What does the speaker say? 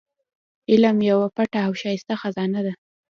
علم يوه پټه او ښايسته خزانه ده.